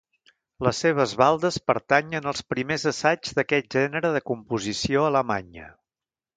Les seves baldes pertanyen als primers assaigs d'aquest gènere de composició a Alemanya.